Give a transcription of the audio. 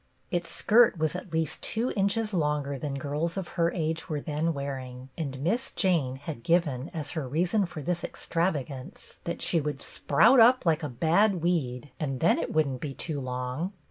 Its skirt was at least two inches longer than girls of her age were then wearing, and Miss Jane had given as her reason for this extrav agance that "she would sprout up like a bad weed, and then it wouldn't be too long."